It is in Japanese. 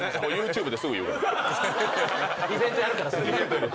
イベントやるからすぐ。